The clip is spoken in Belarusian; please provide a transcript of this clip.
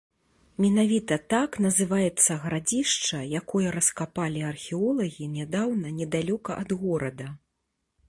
Менавіта так называецца гарадзішча, якое раскапалі археолагі нядаўна недалёка ад горада.